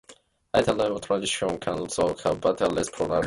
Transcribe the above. Higher level transitions can also occur, but are less probable.